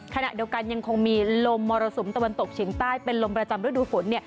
ขณะเดียวกันยังคงมีลมมรสุมตะวันตกเฉียงใต้เป็นลมประจำฤดูฝน